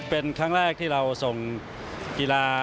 เป็นครั้งแรกที่เราส่งกีฬา